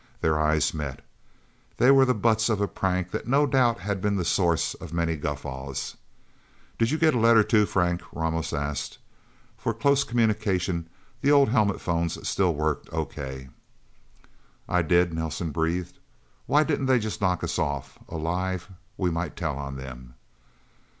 Their eyes met. They were the butts of a prank that no doubt had been the source of many guffaws. "Did you get a letter, too, Frank?" Ramos asked. For close communication, the old helmet phones still worked okay. "I did," Nelsen breathed. "Why didn't they just knock us off? Alive, we might tell on them."